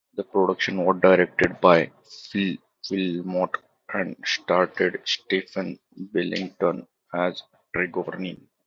The production was directed by Phil Willmott and starred Stephen Billington as Trigorin.